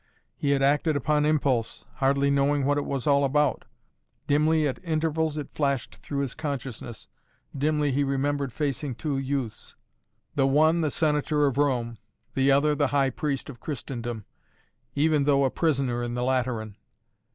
He had acted upon impulse, hardly knowing what it was all about. Dimly at intervals it flashed through his consciousness, dimly he remembered facing two youths, the one the Senator of Rome the other the High Priest of Christendom, even though a prisoner in the Lateran.